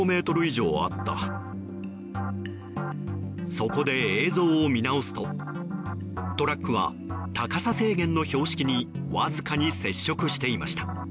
そこで映像を見直すとトラックは高さ制限の標識にわずかに接触していました。